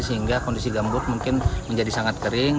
sehingga kondisi gambut mungkin menjadi sangat kering